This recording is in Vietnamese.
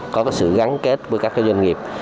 có cái sự gắn kết với các cái doanh nghiệp